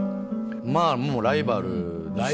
まぁもうライバルですし。